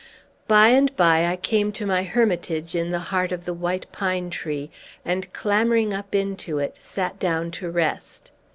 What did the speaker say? By and by, I came to my hermitage, in the heart of the white pine tree, and clambering up into it, sat down to rest.